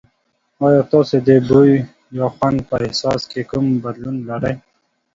ایا تاسو د بوی یا خوند په احساس کې کوم بدلون لرئ؟